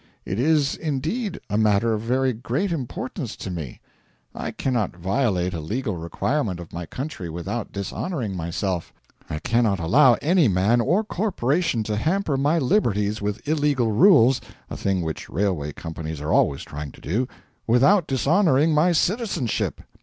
It is, indeed, a matter of very great importance to me. I cannot violate a legal requirement of my country without dishonouring myself; I cannot allow any man or corporation to hamper my liberties with illegal rules a thing which railway companies are always trying to do without dishonouring my citizenship.